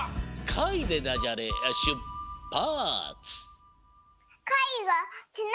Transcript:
「かい」でダジャレしゅっぱつ！